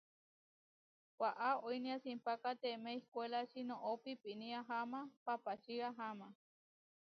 Waʼá oinéa simpákateme ihkwérači, noʼó piípine aháma papáči aháma.